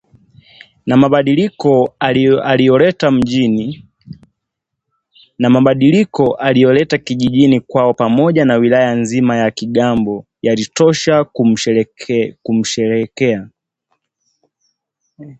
na mabadiliko aliyoleta kijijini mwao pamoja na wilaya nzima ya Kigambo yalitosha kumsherehekea